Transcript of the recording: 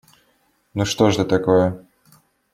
Ну, что ж это такое!